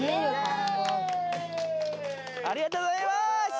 ありがとうございます